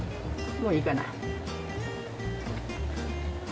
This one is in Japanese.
もういいかな。